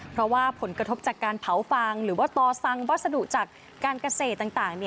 เพราะว่าผลกระทบจากการเผาฟางหรือว่าต่อซังวัสดุจากการเกษตรต่าง